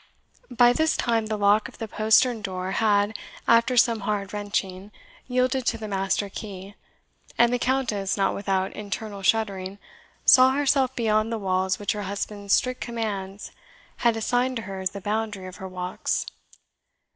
By this time the lock of the postern door had, after some hard wrenching, yielded to the master key; and the Countess, not without internal shuddering, saw herself beyond the walls which her husband's strict commands had assigned to her as the boundary of her walks.